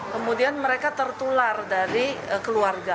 kemudian mereka tertular dari keluarga